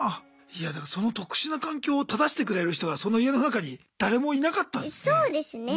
いやだからその特殊な環境を正してくれる人がその家の中に誰もいなかったんですね。